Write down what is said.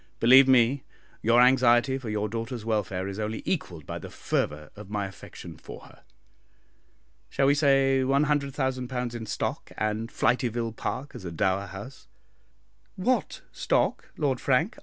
Believe me, your anxiety for your daughter's welfare is only equalled by the fervour of my affection for her. Shall we say £100,000 in stock, and Flityville Park as a dower house?" "What stock, Lord Frank?"